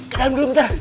ke dalam dulu bentar